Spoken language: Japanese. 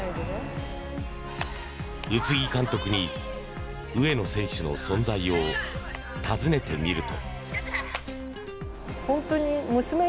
宇津木監督に上野選手の存在を尋ねてみると。